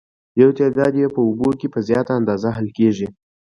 یو تعداد یې په اوبو کې په زیاته اندازه حل کیږي.